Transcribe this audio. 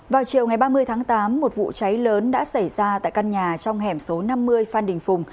vào chiều ngày ba mươi tháng tám một vụ cháy lớn đã xảy ra tại căn nhà trong hẻm số năm mươi phan đình phùng